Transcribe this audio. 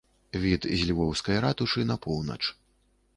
Від з львоўскай ратушы на поўнач.